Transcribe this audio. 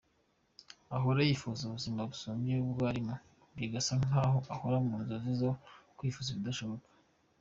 Ahoro yifuza ubuzima busumbye ubwo arimo, bigasa nkaho ahora mu nzozi zo kwifuza ibidashoboka.